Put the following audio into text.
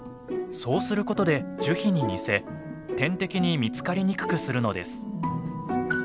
そうすることで樹皮に似せ天敵に見つかりにくくするのです。